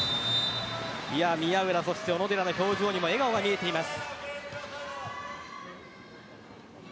宮浦、小野寺の表情にも笑顔が見えています。